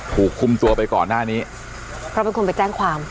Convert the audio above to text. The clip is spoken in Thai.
ถูกคุมตัวไปก่อนหน้านี้เพราะเป็นคนไปแจ้งความ